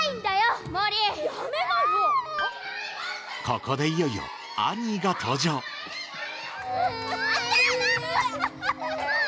・ここでいよいよアニーが登場えんえん。